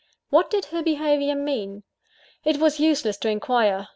What did her behaviour mean? It was useless to inquire.